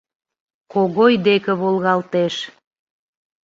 Когой деке волгалтеш.